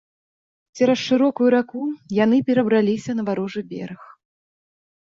Цераз шырокую раку яны перабраліся на варожы бераг.